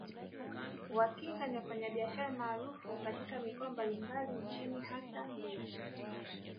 Wakinga ni wafanyabiashara maarufu katika mikoa mbalimbali nchini hasa Mbeya